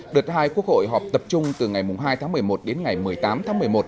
đợt hai quốc hội họp tập trung từ ngày hai tháng một mươi một đến ngày một mươi tám tháng một mươi một